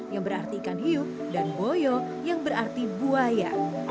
yang berarti ikan hiu dan boyo yang berarti buaya